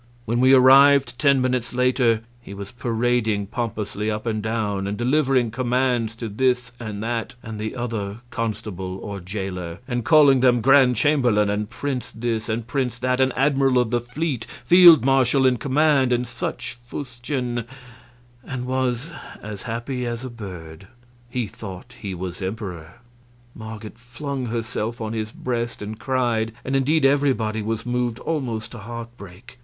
When we arrived, ten minutes later, he was parading pompously up and down and delivering commands to this and that and the other constable or jailer, and calling them Grand chamberlain, and Prince This and Prince That, and Admiral of the Fleet, Field Marshal in Command, and all such fustian, and was as happy as a bird. He thought he was Emperor! Marget flung herself on his breast and cried, and indeed everybody was moved almost to heartbreak.